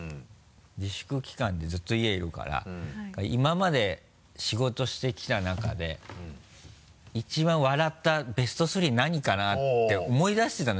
自粛期間でずっと家いるから今まで仕事してきた中で一番笑ったベスト３何かな？って思い出してたの。